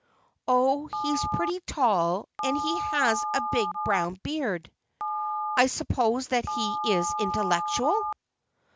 "Oh, he's pretty tall, and he has a big brown beard." "I suppose that he is intellectual?"